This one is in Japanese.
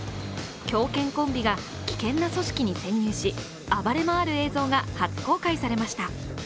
狂犬コンビが危険な組織に潜入し、暴れ回る映像が初公開されました。